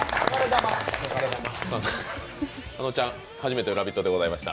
あのちゃん、初めての「ラヴィット！」でございました。